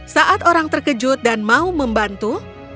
saat orang terkejut dan mau membantu